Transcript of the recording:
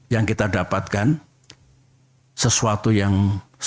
yang kita dapatkan sesuatu yang